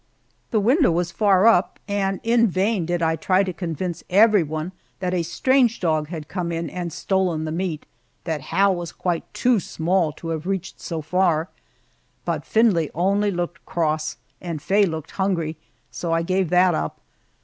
The window was far up, and in vain did I try to convince everyone that a strange dog had come in and stolen the meat, that Hal was quite too small to have reached so far; but Findlay only looked cross and Faye looked hungry, so I gave that up.